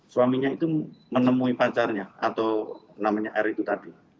suaminya itu menemui pacarnya atau namanya r itu tadi